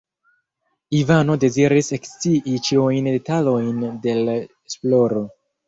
Ivano deziris ekscii ĉiujn detalojn de l' esploro.